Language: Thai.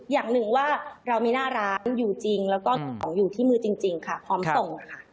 อย่างหนึ่งว่าเรามีหน้าร้านอยู่จริงแล้วก็ของอยู่ที่มือจริงค่ะพร้อมส่งค่ะ